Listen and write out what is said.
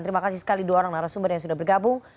terima kasih sekali dua orang narasumber yang sudah bergabung